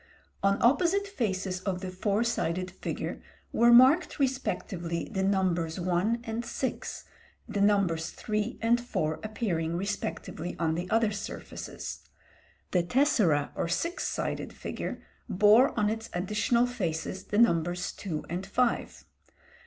On opposite faces of the four sided figure were marked respectively the numbers one and six, the numbers three and four appearing respectively on the other surfaces. The tessera, or six sided figure, bore on its additional faces the numbers two and five.